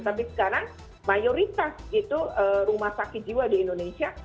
tapi sekarang mayoritas gitu rumah sakit jiwa di indonesia